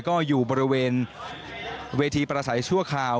ก็อยู่บริเวณเวทีประสัยชั่วคราว